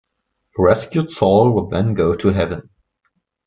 A rescued soul would then go to heaven.